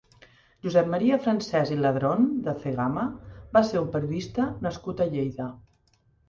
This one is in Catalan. Josep Maria Francès i Ladron de Cegama va ser un periodista nascut a Lleida.